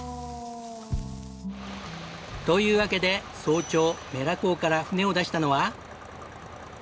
というわけで早朝妻良港から船を出したのは。